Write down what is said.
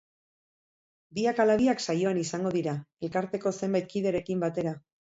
Biak ala biak saioan izango dira, elkarteko zenbait kiderekin batera.